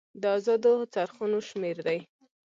د ازادو څرخونو شمیر دی.